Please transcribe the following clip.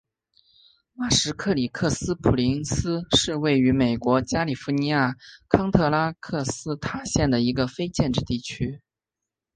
马什克里克斯普林斯是位于美国加利福尼亚州康特拉科斯塔县的一个非建制地区。